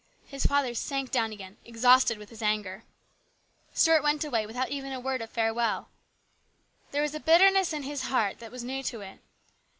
His father sank down again, exhausted with his anger. Stuart went away without even a word of farewell. There was a bitterness in his heart that was new to it.